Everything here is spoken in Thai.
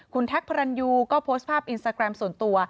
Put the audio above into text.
คุณแท็กพระรันยูก็โพสต์ภาพอินสตาแกรมส่วนตัว